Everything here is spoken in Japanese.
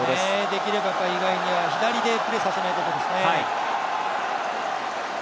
できればイ・ガンインには左でプレーさせないことですね。